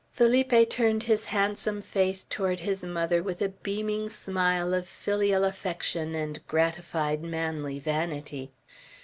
Felipe turned his handsome face toward his mother with a beaming smile of filial affection and gratified manly vanity.